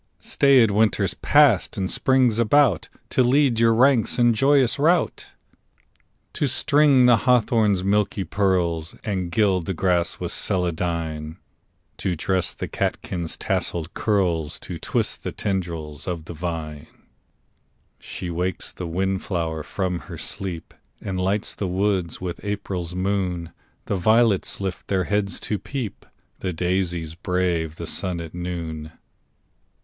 Staid Winter's passed and Spring's about To lead your ranks in joyous rout; To string the hawthorn's milky pearls, And gild the grass with celandine; To dress the catkins' tasselled curls, To twist the tendrils of the vine. She wakes the wind flower from her sleep, And lights the woods with April's moon; The violets lift their heads to peep, The daisies brave the sun at noon.